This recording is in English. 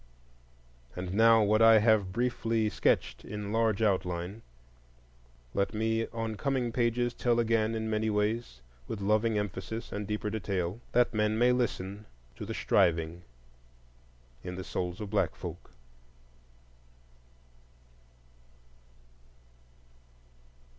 And now what I have briefly sketched in large outline let me on coming pages tell again in many ways, with loving emphasis and deeper detail, that men may listen to the striving in the souls of black folk.